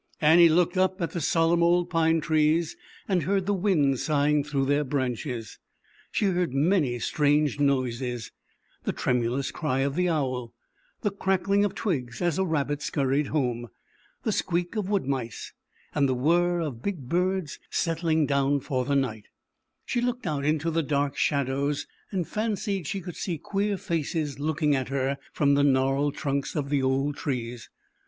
Annie looked up at the solemn old pine trees, and heard the wind sighing through their branches. She heard many strange noises: the J o tremulous cry of the owl; the crackling of twigs as a rabbit scurried home; the squeak of wood mice; and the whirr of big birds settling down for the night. ZAUBERLIKDA, THE WISE WITCH. 213 ,^W >/^A|pjs| She looked out into the dark shadows and fancied she could see queer faces looking at her from the gnarled trunks of the old trees.